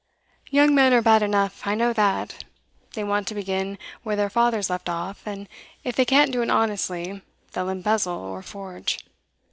Young men are bad enough, I know that; they want to begin where their fathers left off, and if they can't do it honestly, they'll embezzle or forge.